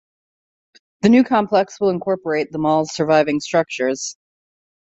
The new complex will incorporate the mall's surviving structures.